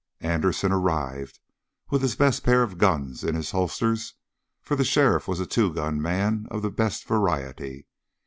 Anderson arrived with his best pair of guns in his holsters, for the sheriff was a two gun man of the best variety.